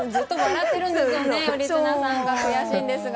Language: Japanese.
頼綱さんが悔しいんですが。